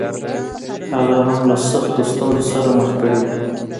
هم له سختو ستونزو سره مخ کړې دي.